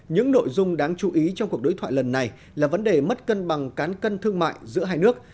những nội dung đáng chú ý trong cuộc đối thoại lần này là vấn đề mất cân bằng cán cân thương mại giữa hai nước